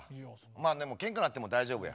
まあでもけんかなっても大丈夫や。